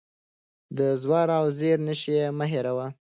د زور او زېر نښې مه هېروه.